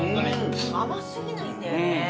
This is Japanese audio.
甘過ぎないんだよね。